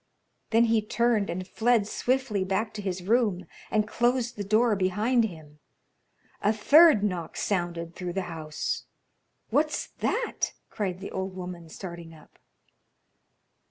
Then he turned and fled swiftly back to his room, and closed the door behind him. A third knock sounded through the house. "What's that?" cried the old woman, starting up.